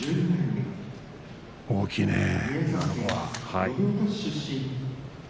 大きいね。